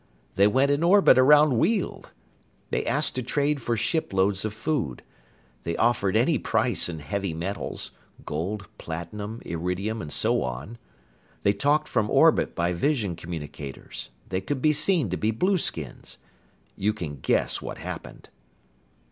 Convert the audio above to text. They went in orbit around Weald. They asked to trade for shiploads of food. They offered any price in heavy metals gold, platinum, irridium, and so on. They talked from orbit by vision communicators. They could be seen to be blueskins. You can guess what happened!"